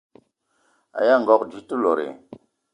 Aya ngogo dze te lot?